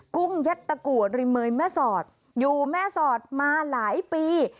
กุ้งยัดตะกัวริเมยแม่สอดอยู่แม่สอดมาหลายปี